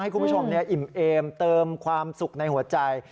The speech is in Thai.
คุณผู้ชมอิ่มเอมเติมความสุขในหัวใจ